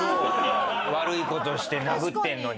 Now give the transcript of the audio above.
悪い事をして殴ってるのに。